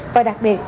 và đặc biệt